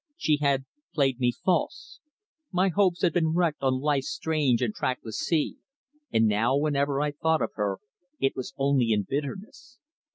She had played me false. My hopes had been wrecked on Life's strange and trackless sea, and now whenever I thought of her it was only in bitterness.